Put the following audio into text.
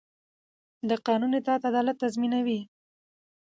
د قانون اطاعت عدالت تضمینوي